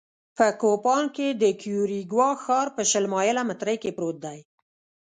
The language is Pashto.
په کوپان کې د کیوریګوا ښار په شل مایله مترۍ کې پروت دی